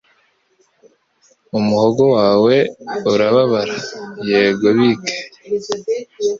"Umuhogo wawe urababara?" "Yego, bike."